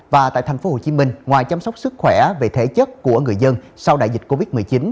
và tại tp hcm ngoài chăm sóc sức khỏe về thể chất của người dân sau đại dịch covid một mươi chín